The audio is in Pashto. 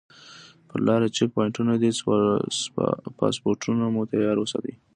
پر لاره چیک پواینټونه دي پاسپورټونه مو تیار وساتئ.